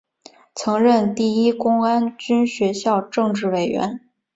曾任第一公安军学校政治委员。